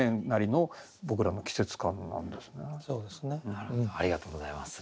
なるほどありがとうございます。